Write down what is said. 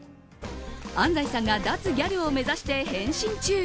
安西さんが脱ギャルを目指して変身中。